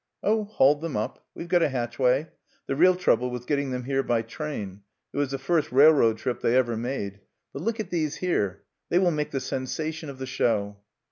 "Oh, hauled them up! We've got a hatchway. The real trouble was getting them here by train. It was the first railroad trip they ever made.... But look at these here: they will make the sensation of the show!"